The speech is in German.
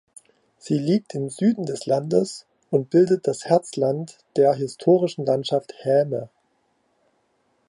Sie liegt im Süden des Landes und bildet das Herzland der historischen Landschaft Häme.